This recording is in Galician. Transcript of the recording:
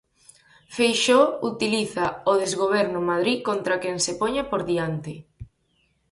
Feixóo utiliza o desgoberno en Madrid contra quen se poña por diante.